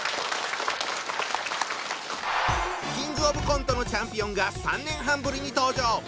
キングオブコントのチャンピオンが３年半ぶりに登場。